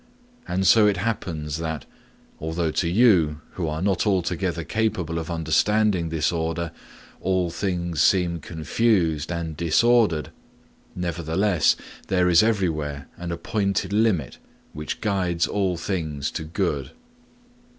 And so it happens that, although to you, who are not altogether capable of understanding this order, all things seem confused and disordered, nevertheless there is everywhere an appointed limit which guides all things to good.